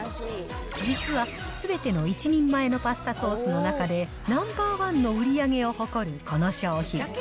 実はすべての１人前のパスソースの中でナンバー１の売り上げを誇るこの商品。